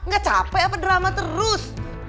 gak capek apa drama terus